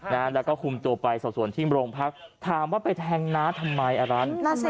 แล้วก็คุมตัวไปส่วนที่โมงพักถามว่าไปแทงน้าทำไมอารันทร์